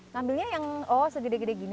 ngambilnya yang oh segede gede gini